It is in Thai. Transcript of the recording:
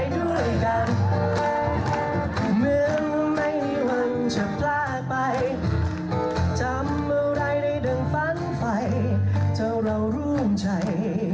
ดังฝันไฟเจ้าเราร่วมใจ